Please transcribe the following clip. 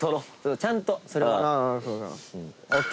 ちゃんとそれは。ＯＫ。